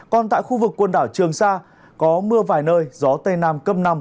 còn tại khu vực quần đảo trường sa có mưa vài nơi gió tây nam cấp năm